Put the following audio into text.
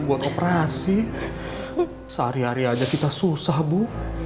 buat operasi sehari hari aja kita susah bu